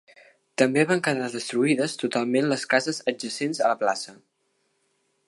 També van quedar destruïdes totalment les cases adjacents a la plaça.